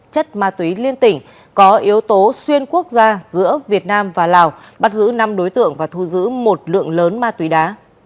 chất ma túy liên tỉnh có yếu tố xuyên quốc gia giữa việt nam và lào bắt giữ năm đối tượng và thu giữ một lượng lớn ma túy đá